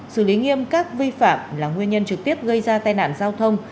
xử lý nghiêm các vi phạm là nguyên nhân trực tiếp gây ra tai nạn giao thông